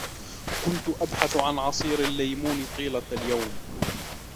كنت أبحث عن عصير الليمون طيلة اليوم.